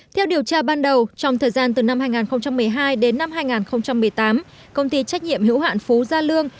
theo điều tra ban đầu trong thời gian từ năm hai nghìn một mươi hai đến năm hai nghìn một mươi tám công ty trách nhiệm hữu hạn phú gia lương